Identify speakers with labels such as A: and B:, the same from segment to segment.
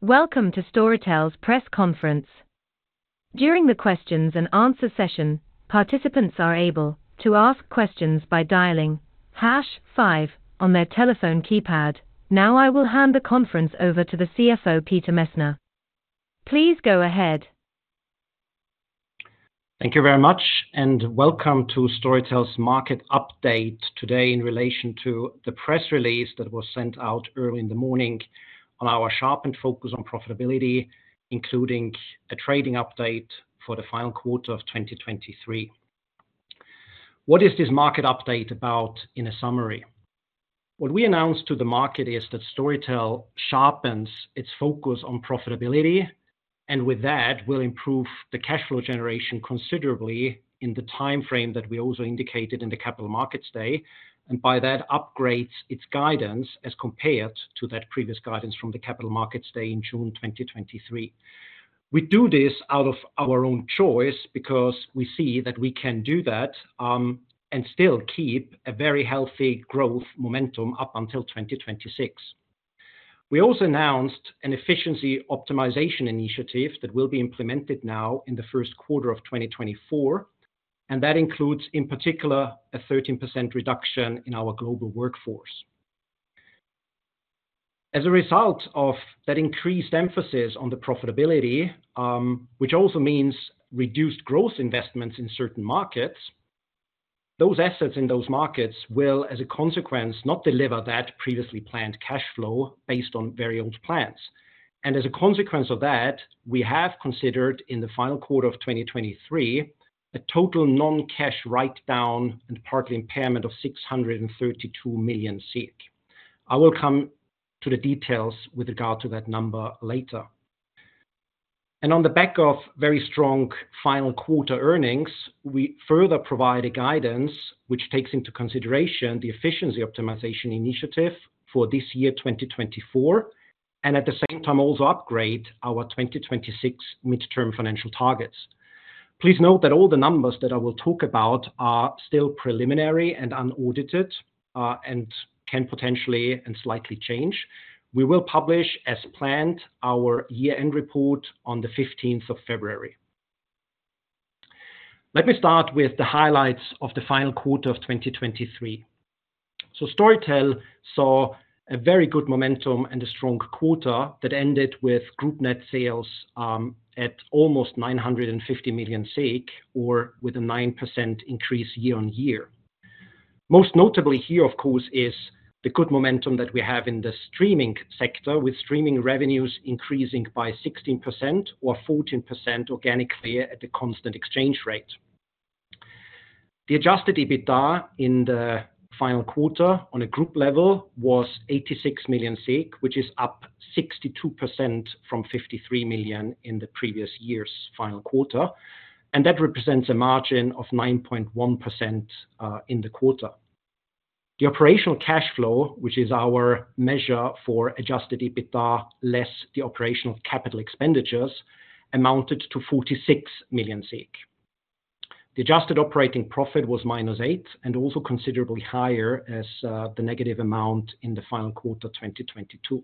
A: Welcome to Storytel's press conference. During the questions and answer session, participants are able to ask questions by dialing hash five on their telephone keypad. Now, I will hand the conference over to the CFO, Peter Messner. Please go ahead.
B: Thank you very much, and welcome to Storytel's market update today in relation to the press release that was sent out early in the morning on our sharpened focus on profitability, including a trading update for the final quarter of 2023. What is this market update about in a summary? What we announced to the market is that Storytel sharpens its focus on profitability, and with that, will improve the cash flow generation considerably in the timeframe that we also indicated in the Capital Markets Day, and by that, upgrades its guidance as compared to that previous guidance from the Capital Markets Day in June 2023. We do this out of our own choice because we see that we can do that, and still keep a very healthy growth momentum up until 2026. We also announced an efficiency optimization initiative that will be implemented now in the first quarter of 2024, and that includes, in particular, a 13% reduction in our global workforce. As a result of that increased emphasis on the profitability, which also means reduced growth investments in certain markets, those assets in those markets will, as a consequence, not deliver that previously planned cash flow based on very old plans. And as a consequence of that, we have considered in the final quarter of 2023, a total non-cash write-down and partly impairment of 632 million. I will come to the details with regard to that number later. On the back of very strong final quarter earnings, we further provide a guidance which takes into consideration the efficiency optimization initiative for this year, 2024, and at the same time, also upgrade our 2026 midterm financial targets. Please note that all the numbers that I will talk about are still preliminary and unaudited, and can potentially and slightly change. We will publish, as planned, our year-end report on the fifteenth of February. Let me start with the highlights of the final quarter of 2023. Storytel saw a very good momentum and a strong quarter that ended with group net sales at almost 950 million, or with a 9% increase year-on-year. Most notably here, of course, is the good momentum that we have in the streaming sector, with streaming revenues increasing by 16% or 14% organically at the constant exchange rate. The Adjusted EBITDA in the final quarter on a group level was 86 million, which is up 62% from 53 million in the previous year's final quarter, and that represents a margin of 9.1% in the quarter. The operational cash flow, which is our measure for Adjusted EBITDA, less the operational capital expenditures, amounted to 46 million. The Adjusted Operating Profit was -8 million and also considerably higher as, the negative amount in the final quarter 2022.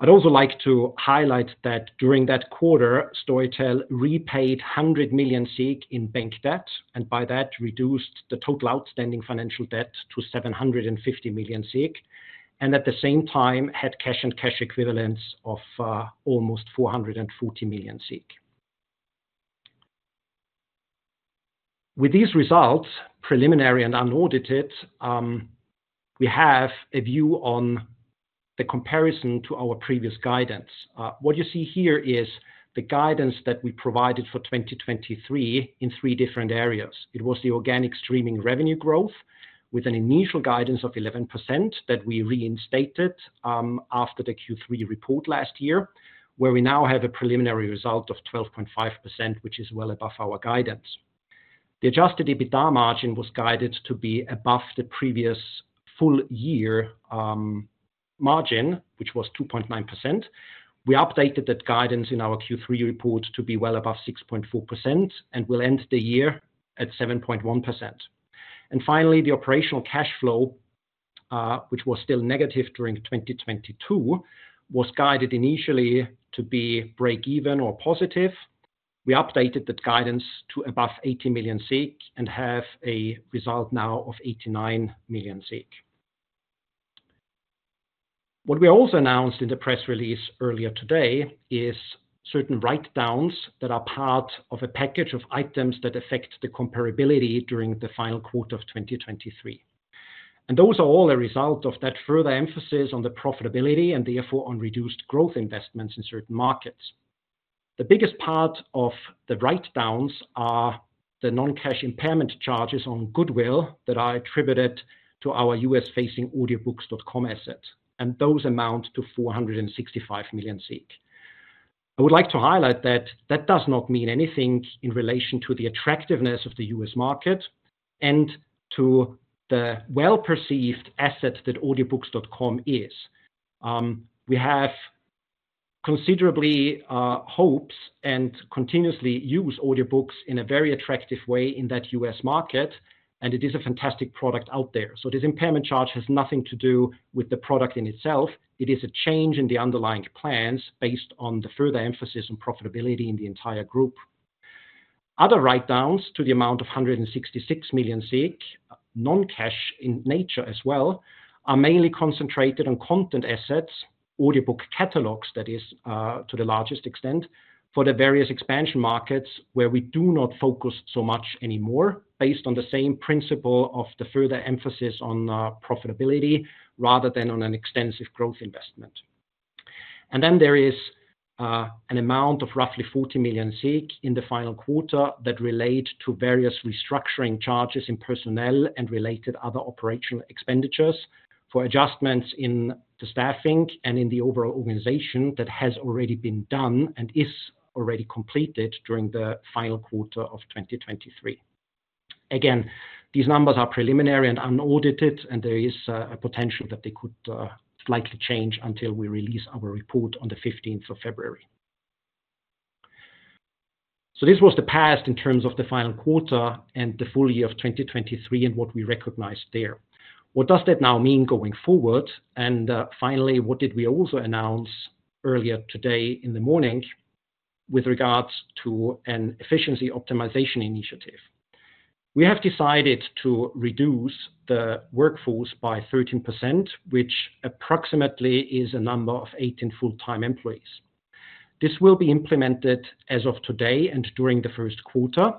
B: I'd also like to highlight that during that quarter, Storytel repaid 100 million in bank debt, and by that, reduced the total outstanding financial debt to 750 million, and at the same time had cash and cash equivalents of almost 440 million. With these results, preliminary and unaudited, we have a view on the comparison to our previous guidance. What you see here is the guidance that we provided for 2023 in three different areas. It was the organic streaming revenue growth with an initial guidance of 11%, that we reinstated, after the Q3 report last year, where we now have a preliminary result of 12.5%, which is well above our guidance. The Adjusted EBITDA margin was guided to be above the previous full year margin, which was 2.9%. We updated that guidance in our Q3 report to be well above 6.4% and will end the year at 7.1%. Finally, the operational cash flow, which was still negative during 2022, was guided initially to be break even or positive. We updated that guidance to above 80 million SEK and have a result now of 89 million SEK. What we also announced in the press release earlier today is certain write-downs that are part of a package of items that affect the comparability during the final quarter of 2023. Those are all a result of that further emphasis on the profitability and therefore on reduced growth investments in certain markets. The biggest part of the write-downs are the non-cash impairment charges on goodwill that are attributed to our U.S.-facing Audiobooks.com asset, and those amount to 465 million. I would like to highlight that that does not mean anything in relation to the attractiveness of the U.S. market and to the well-perceived asset that Audiobooks.com is. We have considerably, hopes and continuously use audiobooks in a very attractive way in that U.S. market, and it is a fantastic product out there. So this impairment charge has nothing to do with the product in itself. It is a change in the underlying plans based on the further emphasis on profitability in the entire group. Other write-downs to the amount of 166 million, non-cash in nature as well, are mainly concentrated on content assets, audiobook catalogs, that is, to the largest extent, for the various expansion markets where we do not focus so much anymore, based on the same principle of the further emphasis on profitability rather than on an extensive growth investment. Then there is an amount of roughly 40 million in the final quarter that relate to various restructuring charges in personnel and related other operational expenditures for adjustments in the staffing and in the overall organization that has already been done and is already completed during the final quarter of 2023. Again, these numbers are preliminary and unaudited, and there is a potential that they could likely change until we release our report on the 15th of February. So this was the past in terms of the final quarter and the full year of 2023 and what we recognized there. What does that now mean going forward? And, finally, what did we also announce earlier today in the morning with regards to an efficiency optimization initiative? We have decided to reduce the workforce by 13%, which approximately is a number of 18 full-time employees. This will be implemented as of today and during the first quarter,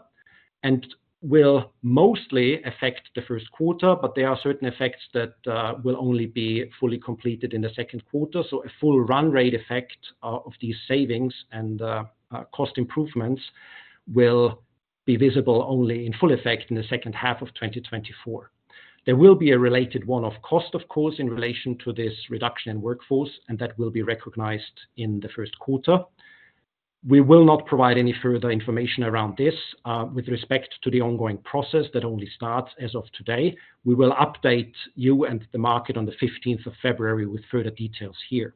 B: and will mostly affect the first quarter, but there are certain effects that will only be fully completed in the second quarter. So a full run rate effect of these savings and cost improvements will be visible only in full effect in the second half of 2024. There will be a related one-off cost, of course, in relation to this reduction in workforce, and that will be recognized in the first quarter. We will not provide any further information around this, with respect to the ongoing process that only starts as of today. We will update you and the market on the fifteenth of February with further details here.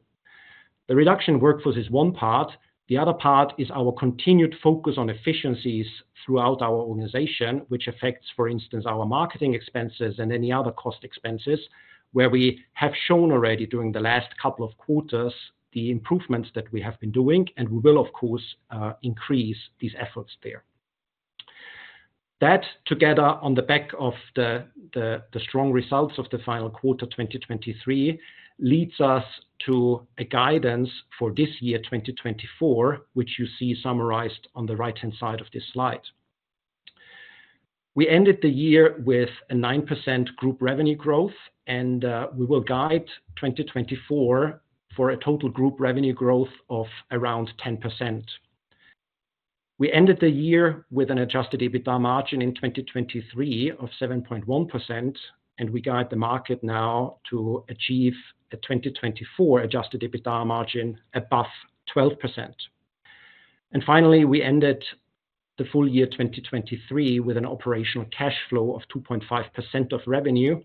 B: The reduction in workforce is one part. The other part is our continued focus on efficiencies throughout our organization, which affects, for instance, our marketing expenses and any other cost expenses, where we have shown already during the last couple of quarters, the improvements that we have been doing, and we will, of course, increase these efforts there. That together, on the back of the strong results of the final quarter 2023, leads us to a guidance for this year, 2024, which you see summarized on the right-hand side of this slide. We ended the year with a 9% group revenue growth, and we will guide 2024 for a total group revenue growth of around 10%. We ended the year with an Adjusted EBITDA margin in 2023 of 7.1%, and we guide the market now to achieve a 2024 Adjusted EBITDA margin above 12%. Finally, we ended the full year 2023 with an operational cash flow of 2.5% of revenue,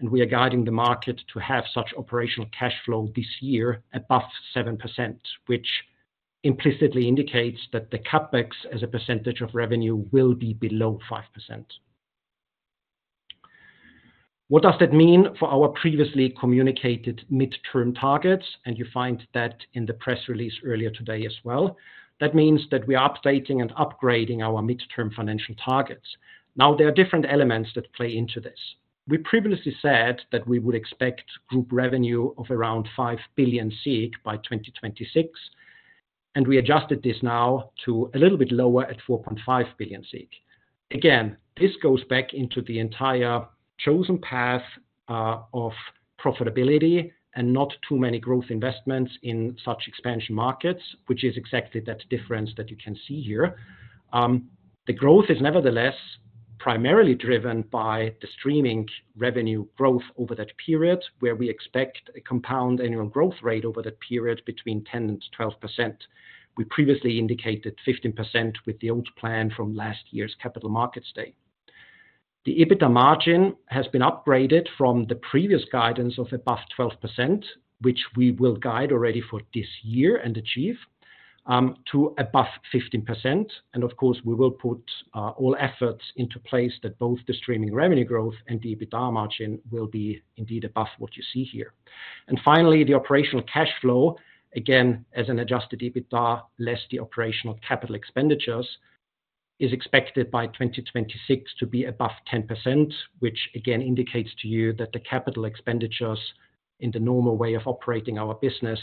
B: and we are guiding the market to have such operational cash flow this year above 7%, which implicitly indicates that the CapEx, as a percentage of revenue, will be below 5%. What does that mean for our previously communicated midterm targets? And you find that in the press release earlier today as well. That means that we are updating and upgrading our midterm financial targets. Now, there are different elements that play into this. We previously said that we would expect group revenue of around 5 billion by 2026, and we adjusted this now to a little bit lower at 4.5 billion. Again, this goes back into the entire chosen path, of profitability and not too many growth investments in such expansion markets, which is exactly that difference that you can see here. The growth is nevertheless primarily driven by the streaming revenue growth over that period, where we expect a compound annual growth rate over that period between 10% and 12%. We previously indicated 15% with the old plan from last year's Capital Markets Day. The EBITDA margin has been upgraded from the previous guidance of above 12%, which we will guide already for this year and achieve, to above 15%. And of course, we will put all efforts into place that both the streaming revenue growth and the EBITDA margin will be indeed above what you see here. And finally, the operational cash flow, again, as an Adjusted EBITDA less the operational capital expenditures, is expected by 2026 to be above 10%, which again indicates to you that the capital expenditures in the normal way of operating our business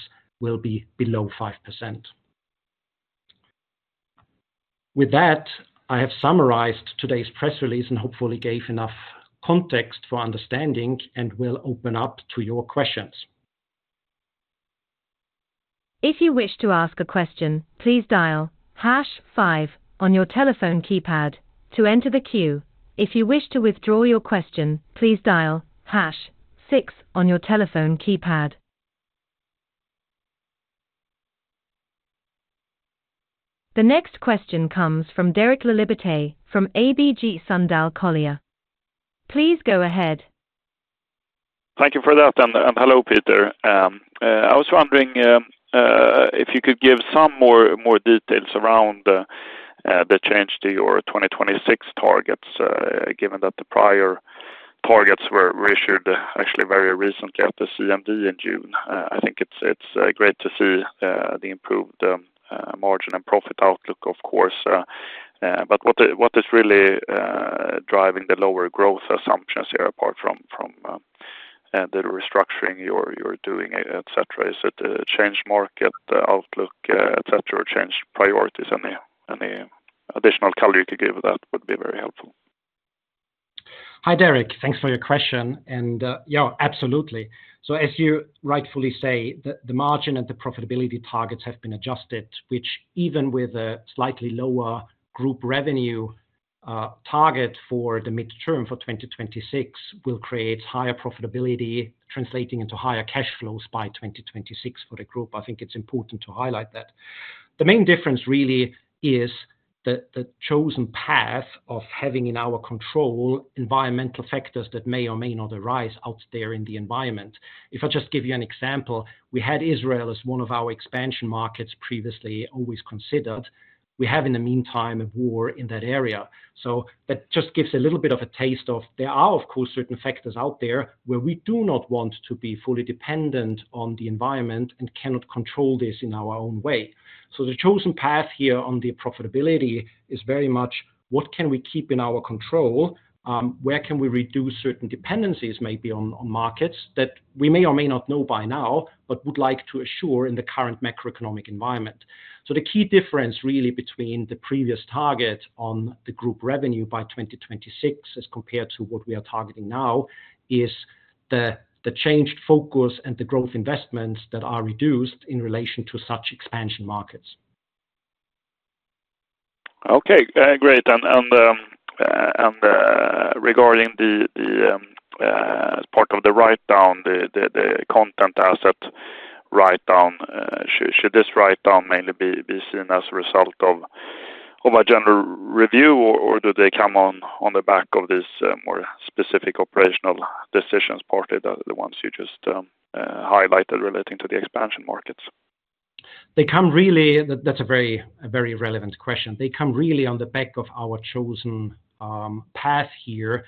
B: will be below 5%. With that, I have summarized today's press release and hopefully gave enough context for understanding and will open up to your questions.
A: If you wish to ask a question, please dial hash five on your telephone keypad to enter the queue. If you wish to withdraw your question, please dial hash six on your telephone keypad. The next question comes from Derek Laliberté, from ABG Sundal Collier. Please go ahead.
C: Thank you for that, and hello, Peter. I was wondering if you could give some more details around the change to your 2026 targets, given that the prior targets were issued actually very recently at the CMD in June. I think it's great to see the improved margin and profit outlook, of course, but what is really driving the lower growth assumptions here, apart from the restructuring you're doing, et cetera? Is it a changed market outlook, et cetera, or changed priorities? Any additional color you could give that would be very helpful.
B: Hi, Derek. Thanks for your question, and yeah, absolutely. So as you rightfully say, the margin and the profitability targets have been adjusted, which even with a slightly lower group revenue target for the midterm for 2026, will create higher profitability, translating into higher cash flows by 2026 for the group. I think it's important to highlight that. The main difference really is the chosen path of having in our control environmental factors that may or may not arise out there in the environment. If I just give you an example, we had Israel as one of our expansion markets previously, always considered. We have, in the meantime, a war in that area. So that just gives a little bit of a taste of there are, of course, certain factors out there where we do not want to be fully dependent on the environment and cannot control this in our own way. So the chosen path here on the profitability is very much what can we keep in our control? Where can we reduce certain dependencies, maybe on, on markets that we may or may not know by now, but would like to assure in the current macroeconomic environment? So the key difference really between the previous target on the group revenue by 2026, as compared to what we are targeting now, is the, the changed focus and the growth investments that are reduced in relation to such expansion markets.
C: Okay, great. And regarding the part of the write-down, the content asset write-down, should this write-down mainly be seen as a result of a general review, or do they come on the back of this more specific operational decisions, partly the ones you just highlighted relating to the expansion markets?
B: That's a very relevant question. They come really on the back of our chosen path here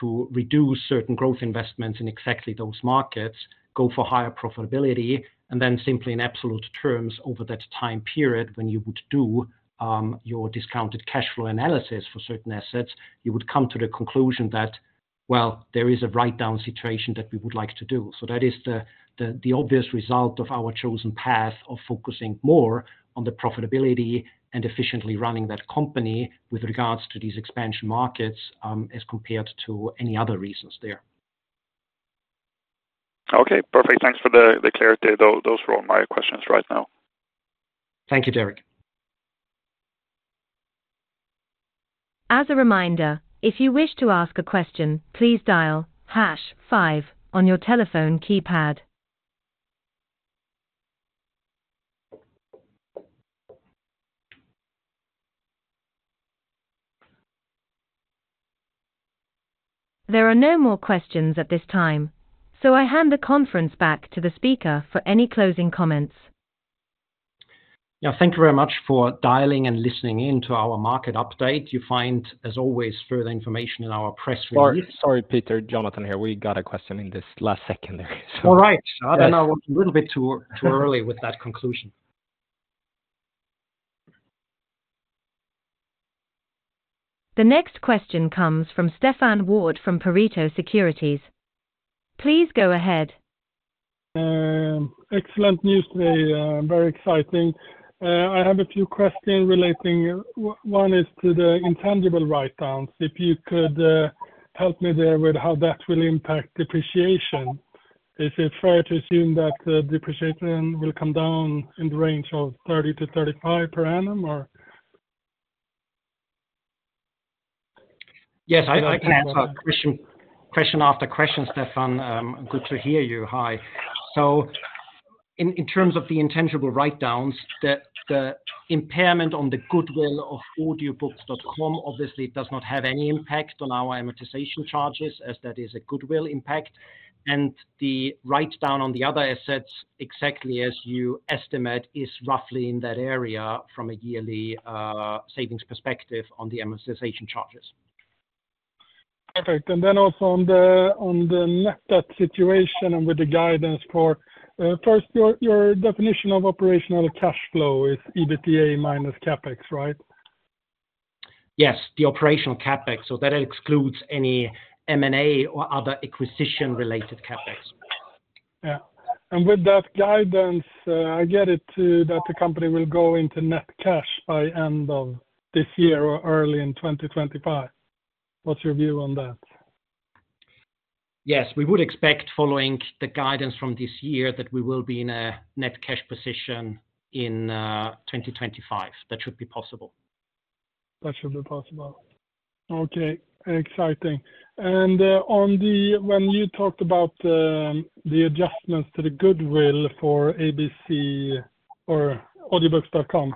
B: to reduce certain growth investments in exactly those markets, go for higher profitability, and then simply in absolute terms, over that time period, when you would do your discounted cash flow analysis for certain assets, you would come to the conclusion that, well, there is a write-down situation that we would like to do. So that is the obvious result of our chosen path of focusing more on the profitability and efficiently running that company with regards to these expansion markets, as compared to any other reasons there.
C: Okay, perfect. Thanks for the, the clarity. Those were all my questions right now.
B: Thank you, Derek.
A: As a reminder, if you wish to ask a question, please dial hash five on your telephone keypad. There are no more questions at this time, so I hand the conference back to the speaker for any closing comments.
B: Yeah, thank you very much for dialing and listening in to our market update. You find, as always, further information in our press release.
D: Sorry, Peter. Jonathan here. We got a question in this last second there.
B: All right. Then I was a little bit too early with that conclusion.
A: The next question comes from Stefan Wård from Pareto Securities. Please go ahead.
E: Excellent news today, very exciting. I have a few questions relating. One is to the intangible write-downs, if you could help me there with how that will impact depreciation. Is it fair to assume that depreciation will come down in the range of 30-35 per annum, or?
B: Yes, I can answer question after question, Stefan. Good to hear you. Hi. So in terms of the intangible write-downs, the impairment on the goodwill of Audiobooks.com obviously does not have any impact on our amortization charges, as that is a goodwill impact, and the write-down on the other assets, exactly as you estimate, is roughly in that area from a yearly savings perspective on the amortization charges.
E: Perfect. And then also on the net debt situation and with the guidance for first, your definition of operational cash flow is EBITDA minus CapEx, right?
B: Yes, the operational CapEx. So that excludes any M&A or other acquisition-related CapEx.
E: Yeah. And with that guidance, I get it too, that the company will go into net cash by end of this year or early in 2025. What's your view on that?
B: Yes, we would expect, following the guidance from this year, that we will be in a net cash position in 2025. That should be possible.
E: That should be possible. Okay, exciting. And, on the—when you talked about the adjustments to the goodwill for ABC or Audiobooks.com,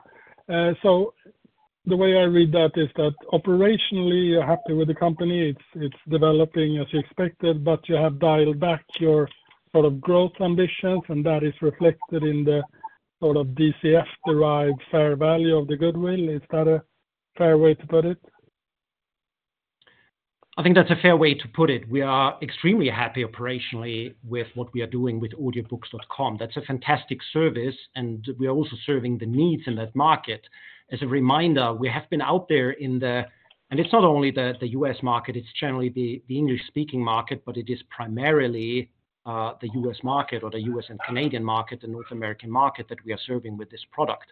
E: so the way I read that is that operationally, you're happy with the company, it's developing as you expected, but you have dialed back your sort of growth ambitions, and that is reflected in the sort of DCF-derived fair value of the goodwill. Is that a fair way to put it?
B: I think that's a fair way to put it. We are extremely happy operationally with what we are doing with Audiobooks.com. That's a fantastic service, and we are also serving the needs in that market. As a reminder, we have been out there in the, and it's not only the U.S. market, it's generally the English-speaking market, but it is primarily the U.S. market or the U.S. and Canadian market, the North American market, that we are serving with this product.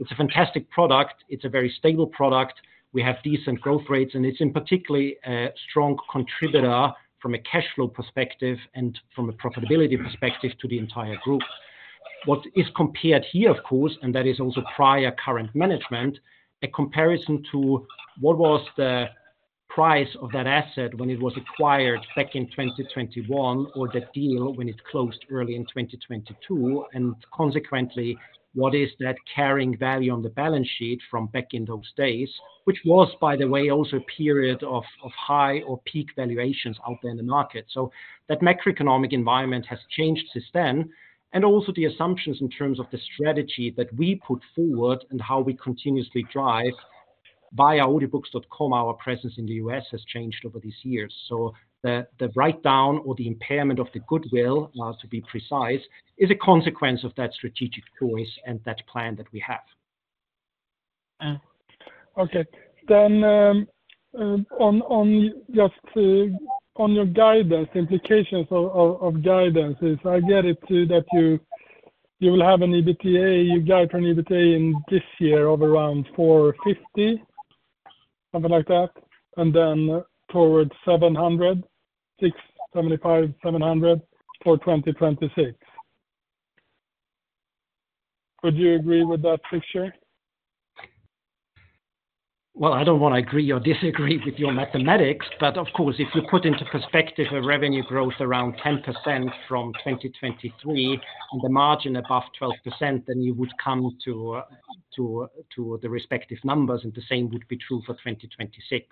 B: It's a fantastic product. It's a very stable product. We have decent growth rates, and it's in particular a strong contributor from a cash flow perspective and from a profitability perspective to the entire group. What is compared here, of course, and that is also prior current management, a comparison to what was the price of that asset when it was acquired back in 2021 or the deal when it closed early in 2022, and consequently, what is that carrying value on the balance sheet from back in those days, which was, by the way, also a period of high or peak valuations out there in the market. So that macroeconomic environment has changed since then, and also the assumptions in terms of the strategy that we put forward and how we continuously drive via Audiobooks.com, our presence in the U.S. has changed over these years. So the write-down or the impairment of the goodwill, now to be precise, is a consequence of that strategic choice and that plan that we have.
E: Okay. Then, just on your guidance, implications of guidance, if I get it right that you will have an EBITDA, you guide on EBITDA in this year of around 450, something like that, and then towards 700, 675, 700 for 2026. Would you agree with that picture?
B: Well, I don't want to agree or disagree with your mathematics, but of course, if you put into perspective a revenue growth around 10% from 2023 and the margin above 12%, then you would come to the respective numbers, and the same would be true for 2026.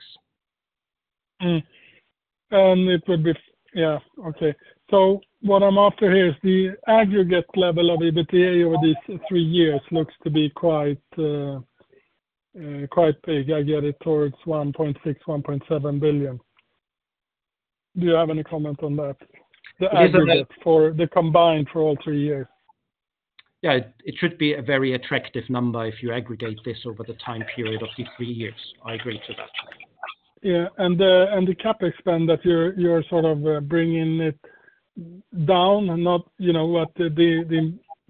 E: Yeah, okay. So what I'm after here is the aggregate level of EBITDA over these three years looks to be quite, quite big. I get it towards 1.6 billion-1.7 billion. Do you have any comment on that?
B: Yes, I do.
E: The aggregate for the combined for all three years.
B: Yeah, it, it should be a very attractive number if you aggregate this over the time period of these three years. I agree to that.
E: Yeah, and the CapEx spend that you're sort of bringing it down, not, you know, what the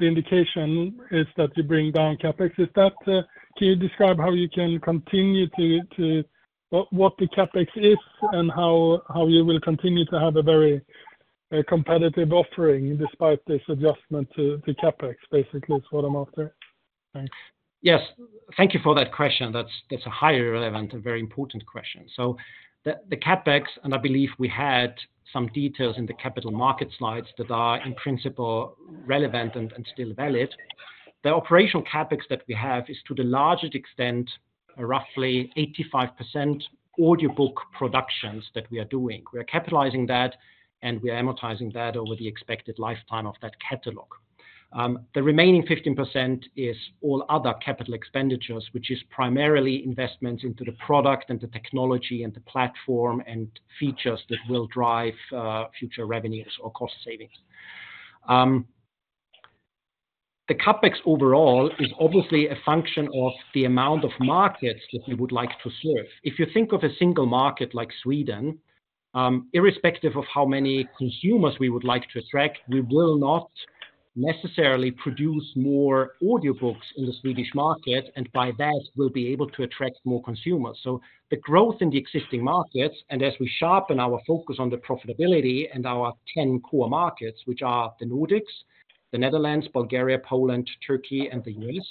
E: indication is that you bring down CapEx. Is that—can you describe how you can continue to—what the CapEx is and how you will continue to have a very competitive offering despite this adjustment to CapEx, basically, is what I'm after. Thanks.
B: Yes. Thank you for that question. That's, that's a highly relevant and very important question. So the, the CapEx, and I believe we had some details in the capital market slides that are in principle relevant and, and still valid. The operational CapEx that we have is to the largest extent, roughly 85% audiobook productions that we are doing. We are capitalizing that, and we are amortizing that over the expected lifetime of that catalog. The remaining 15% is all other capital expenditures, which is primarily investments into the product and the technology, and the platform, and features that will drive future revenues or cost savings. The CapEx overall is obviously a function of the amount of markets that we would like to serve. If you think of a single market like Sweden, irrespective of how many consumers we would like to attract, we will not necessarily produce more audiobooks in the Swedish market, and by that, we'll be able to attract more consumers. So the growth in the existing markets, and as we sharpen our focus on the profitability and our 10 core markets, which are the Nordics, the Netherlands, Bulgaria, Poland, Turkey, and the U.S.,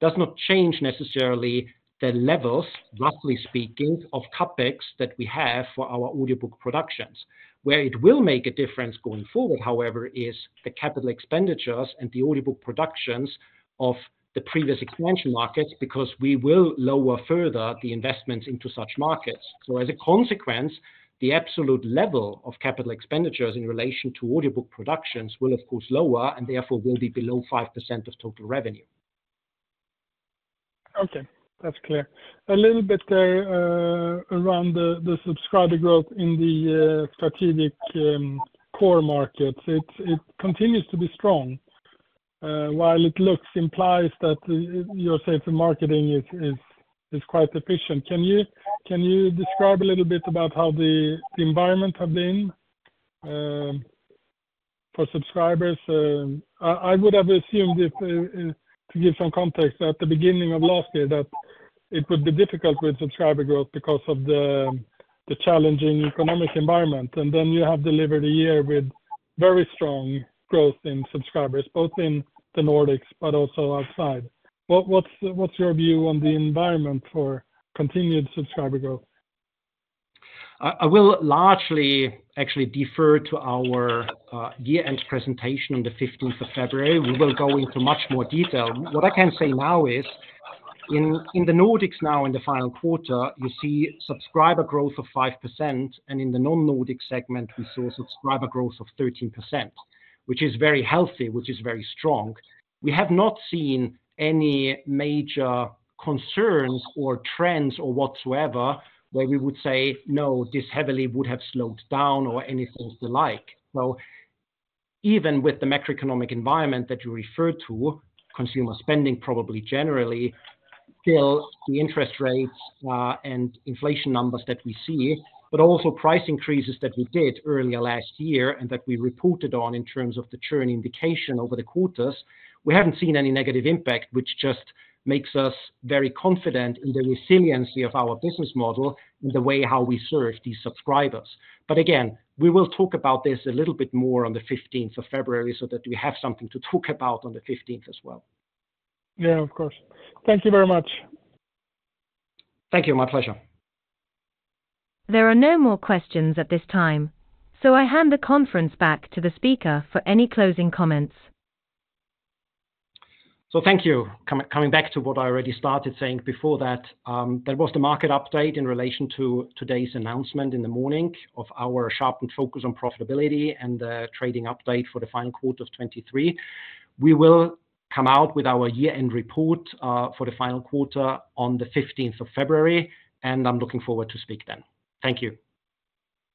B: does not change necessarily the levels, roughly speaking, of CapEx that we have for our audiobook productions. Where it will make a difference going forward, however, is the capital expenditures and the audiobook productions of the previous expansion markets, because we will lower further the investments into such markets. As a consequence, the absolute level of capital expenditures in relation to audiobook productions will of course lower, and therefore will be below 5% of total revenue.
E: Okay, that's clear. A little bit around the subscriber growth in the strategic core markets. It continues to be strong. While it looks implies that your sales and marketing is quite efficient. Can you describe a little bit about how the environment have been for subscribers? I would have assumed, to give some context, at the beginning of last year, that it would be difficult with subscriber growth because of the challenging economic environment, and then you have delivered a year with very strong growth in subscribers, both in the Nordics but also outside. What's your view on the environment for continued subscriber growth?
B: I will largely actually defer to our year-end presentation on the fifteenth of February. We will go into much more detail. What I can say now is, in the Nordics now in the final quarter, you see subscriber growth of 5%, and in the non-Nordic segment, we saw subscriber growth of 13%, which is very healthy, which is very strong. We have not seen any major concerns or trends or whatsoever, where we would say, "No, this heavily would have slowed down or anything alike." So even with the macroeconomic environment that you referred to, consumer spending, probably generally, still the interest rates, and inflation numbers that we see, but also price increases that we did earlier last year and that we reported on in terms of the churn indication over the quarters, we haven't seen any negative impact, which just makes us very confident in the resiliency of our business model and the way how we serve these subscribers. But again, we will talk about this a little bit more on the fifteenth of February so that we have something to talk about on the fifteenth as well.
E: Yeah, of course. Thank you very much.
B: Thank you. My pleasure.
A: There are no more questions at this time, so I hand the conference back to the speaker for any closing comments.
B: So thank you. Coming back to what I already started saying before that, there was the market update in relation to today's announcement in the morning of our sharpened focus on profitability and the trading update for the final quarter of 2023. We will come out with our year-end report for the final quarter on the fifteenth of February, and I'm looking forward to speak then. Thank you.